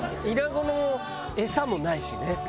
イナゴの餌もないしね。